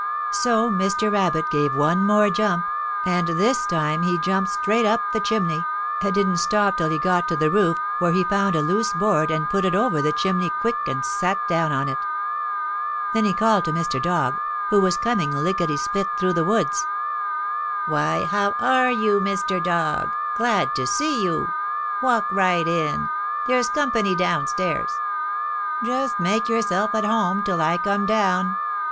So Mr. Rabbit gave one more jump, and this time he jumped straight up the chimney, and didn't stop till he got to the roof, where he found a loose board and put it over the chimney quick and sat down on it. Then he called to Mr. Dog, who was coming lickety split through the woods: "'Why, how are you, Mr. Dog? Glad to see you! Walk right in. There's company down stairs; just make yourself at home till I come down.'